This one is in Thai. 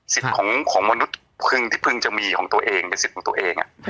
ของมนุษย์พึงที่พึงจะมีของตัวเองเป็นสิทธิ์ของตัวเอง